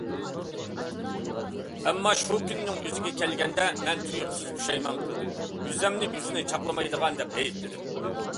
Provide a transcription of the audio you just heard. ئەمما شۇ كۈننىڭ ئۆزىگە كەلگەندە مەن تۇيۇقسىز پۇشايمان قىلدىم، ئۆزۈمنى، ئۆزىنى چاغلىمايدىغان دەپ ئەيىبلىدىم.